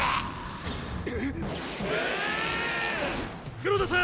黒田さん！！